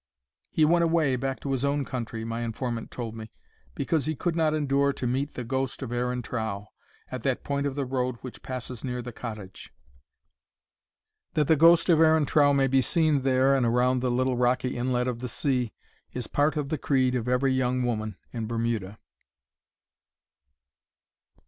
"He went away, back to his own country," my informant told me; "because he could not endure to meet the ghost of Aaron Trow, at that point of the road which passes near the cottage." That the ghost of Aaron Trow may be seen there and round the little rocky inlet of the sea, is part of the creed of every young woman in Bermuda.